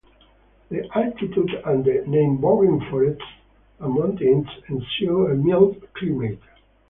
The altitude and the neighbouring forests and mountains ensure a mild climate.